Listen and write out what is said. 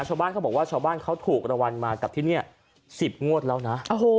ชาวบ้านเขาบอกว่าชาวบ้านเขาถูกรางวัลมากับที่นี่๑๐งวดแล้วนะ